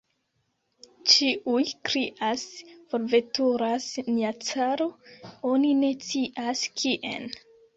Ĉiuj krias: "forveturas nia caro, oni ne scias kien!"